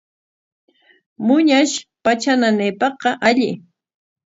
Muñash patra nanaypaqqa alli.